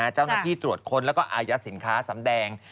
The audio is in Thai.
เจ้าหนังที่ตรวจคนและอายัตสินค้าสำแดง